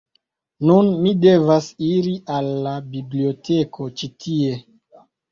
Nun, mi devas iri al la biblioteko ĉi tie